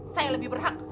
saya yang lebih berhak